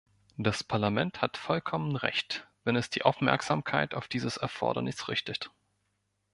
Das Parlament hat vollkommen Recht, wenn es die Aufmerksamkeit auf dieses Erfordernis richtet.